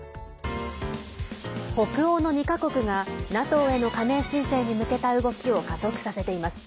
北欧の２か国がＮＡＴＯへの加盟申請に向けた動きを加速させています。